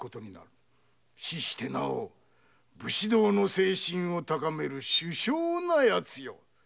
死してなお武士道の精神を高める殊勝なやつよ。